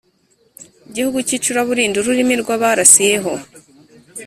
gihugu cy’icuraburindi urumuri rwabarasiyeho...